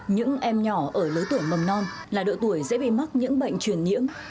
những em nhỏ ở lứa tuổi mầm non là độ tuổi dễ bị mắc những bệnh truyền nhiễm